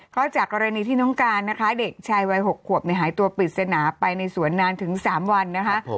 ก็จากกรณีที่น้องการนะคะเด็กชายวัย๖ขวบหายตัวปริศนาไปในสวนนานถึง๓วันนะคะ